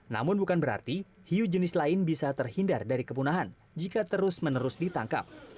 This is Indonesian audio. namun bukan berarti hiu jenis lain bisa terhindar dari kepunahan jika terus menerus ditangkap